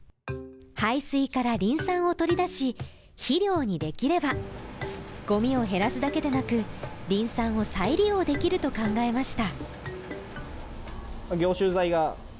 廃水からリン酸を取り出し肥料にできればごみを減らすだけでなく、リン酸を再利用できると考えました。